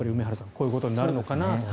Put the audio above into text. こういうことになるのかなと。